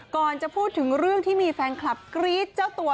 ก่อนจะพูดถึงเรื่องที่มีแฟนคลับกรี๊ดเจ้าตัว